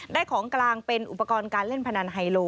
ของกลางเป็นอุปกรณ์การเล่นพนันไฮโล